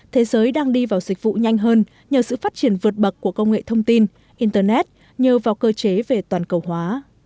thế giới đang đi vào dịch vụ nhanh hơn nhờ sự phát triển vượt bậc của công nghệ thông tin internet nhờ vào cơ chế về toàn cầu hóa